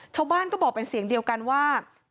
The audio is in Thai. ชาวบ้านก็บอกเป็นเสียงเดียวกันว่า